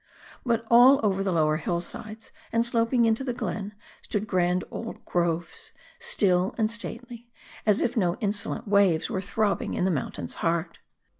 But all over the lowermost hill sides, and sloping into the glen, stood grand old groves ; still and stately, as if no insolent waves were throbbing in the mountain's heart.